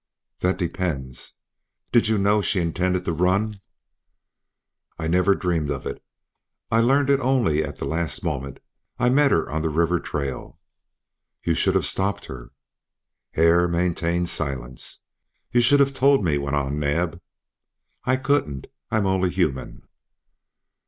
"That depends. Did you know she intended to run?" "I never dreamed of it. I learned it only at the last moment. I met her on the river trail." "You should have stopped her." Hare maintained silence. "You should have told me," went on Naab. "I couldn't. I'm only human."